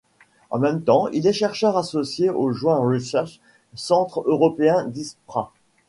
En même temps, il est chercheur associé au Joint Research Centre Européen d’Ispra.